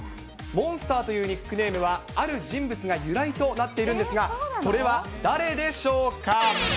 モンスターというニックネームは、ある人物が由来となっているんですが、それは誰でしょうか？